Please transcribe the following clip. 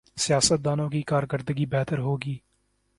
سیاستدانوں کی کارکردگی بہتر ہو گی۔